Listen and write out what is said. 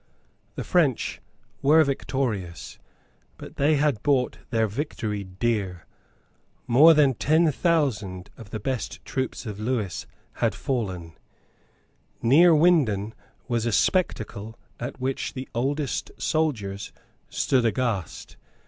The French were victorious; but they had bought their victory dear. More than ten thousand of the best troops of Lewis had fallen. Neerwinden was a spectacle at which the oldest soldiers stood aghast.